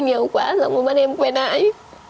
mà em bắt em quen lại